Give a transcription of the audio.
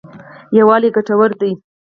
یوالی ګټور دی.